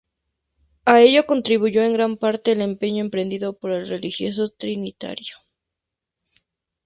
A ello, contribuyó en gran parte el empeño emprendido por el religioso trinitario.